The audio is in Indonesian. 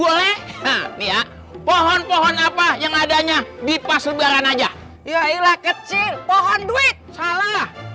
boleh nah pohon pohon apa yang adanya di pas lebaran aja ya ilah kecil pohon duit salah